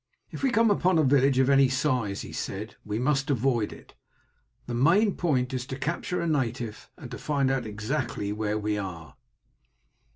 "If we come upon a village of any size," he said, "we must avoid it. The main point is to capture a native, and find out exactly where we are."